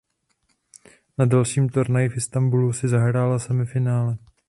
Na dalším turnaji v Istanbulu si zahrála semifinále.